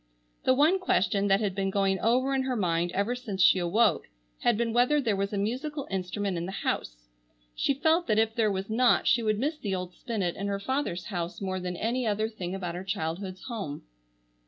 The one question that had been going over in her mind ever since she awoke had been whether there was a musical instrument in the house. She felt that if there was not she would miss the old spinet in her father's house more than any other thing about her childhood's home.